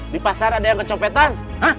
di pasar ada yang kecompetan